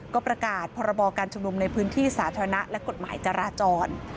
ก็ประกาศพรบการชุมนุมในพื้นที่สาธารณะและกฎหมายจราจร